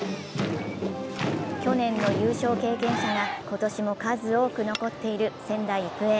去年の優勝経験者が今年も数多く残っている仙台育英。